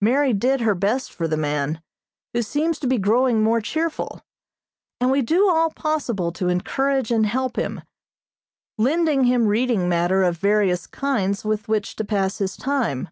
Mary did her best for the man, who seems to be growing more cheerful, and we do all possible to encourage and help him, lending him reading matter of various kinds with which to pass his time.